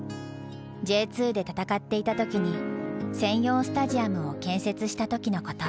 Ｊ２で戦っていた時に専用スタジアムを建設した時のこと。